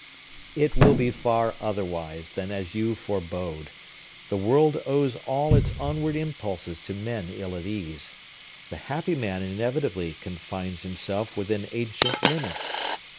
"It will be far otherwise than as you forebode. The world owes all its onward impulses to men ill at ease. The happy man inevitably confines himself within ancient limits.